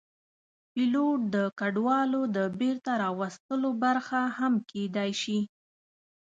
پیلوټ د کډوالو د بېرته راوستلو برخه هم کېدی شي.